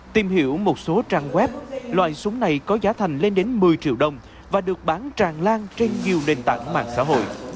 tìm hiểu một số trang web loại súng này có giá thành lên đến một mươi triệu đồng và được bán tràn lan trên nhiều nền tảng mạng xã hội